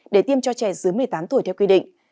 để tiêm cho trẻ dưới một mươi tám tuổi theo quy định